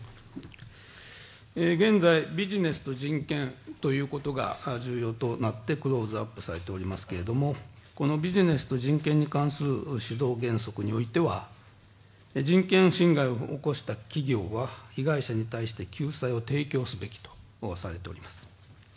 現在ビジネスと人権ということが重要となってクローズアップされてますけれどもこのビジネスと人権に関する指導原則においては人権侵害を起こした企業は被害者に対して救済を提供すべきとされております。